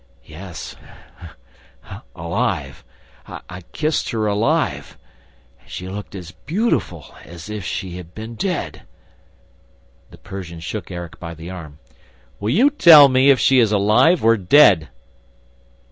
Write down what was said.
Yes, alive ... I kissed her alive ... and she looked as beautiful as if she had been dead!" The Persian shook Erik by the arm: "Will you tell me if she is alive or dead."